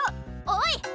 おい！